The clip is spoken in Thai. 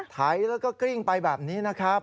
ไถแล้วก็กริ้งไปแบบนี้นะครับ